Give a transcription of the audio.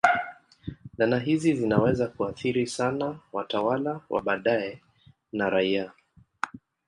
Dhana hizi zinaweza kuathiri sana watawala wa baadaye na raia.